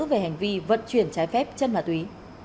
về hành vi vận chuyển trái phép chất mạ túy